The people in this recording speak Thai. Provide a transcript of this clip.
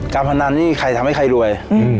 การพนันนี่ใครทำให้ใครรวย